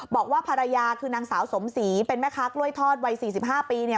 บอกว่าภรรยาคือนางสาวสมศรีเป็นแม่ทักษ์ร่วยทอดวัย๔๕ปี